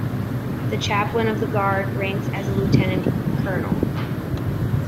The Chaplain of the Guard ranks as a lieutenant colonel.